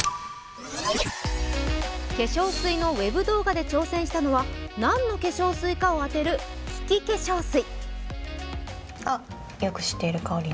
化粧水のウェブ動画で挑戦したのは何の化粧水かを当てるきき化粧水。